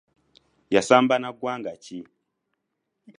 Yasamba na ggwanga ki?